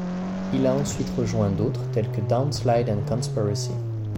Il a ensuite rejoint d' autres tels que Downslide & Conspiracy.